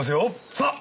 さあ！